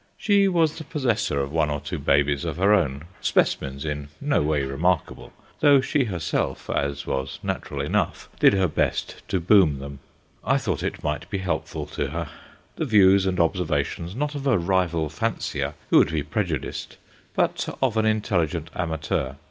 She was the possessor of one or two babies of her own, specimens in no way remarkable, though she herself, as was natural enough, did her best to boom them. I thought it might be helpful to her: the views and observations, not of a rival fancier, who would be prejudiced, but of an intelligent amateur.